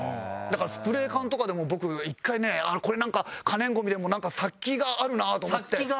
だからスプレー缶とかでも僕１回ねこれなんか可燃ゴミでもなんか殺気があるなと思って。